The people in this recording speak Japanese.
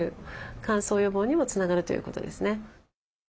乾燥予防にもつながるということですね。